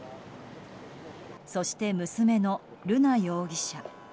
そして、娘の瑠奈容疑者。